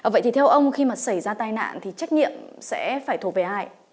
vậy thì theo ông khi mà xảy ra tai nạn thì trách nhiệm sẽ phải thuộc về ai